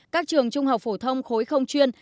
các trường trung học phổ thông khối không chuyên